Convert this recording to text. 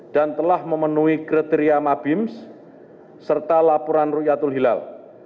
dan telah memenuhi kriteria mabims serta laporan rukyatul hilal